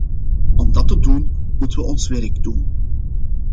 Om dat te doen, moeten we ons werk doen.